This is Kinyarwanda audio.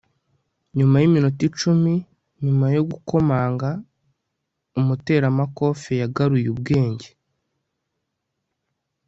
nyuma yiminota icumi nyuma yo gukomanga, umuteramakofe yagaruye ubwenge